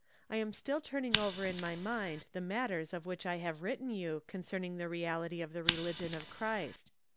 I am still turning over in my mind the matters of which I have written you concerning the reality of the religion of Christ.